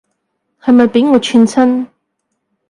係咪畀我串親